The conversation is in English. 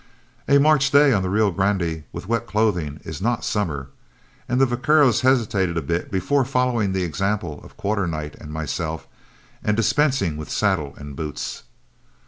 A March day on the Rio Grande with wet clothing is not summer, and the vaqueros hesitated a bit before following the example of Quarternight and myself and dispensing with saddles and boots.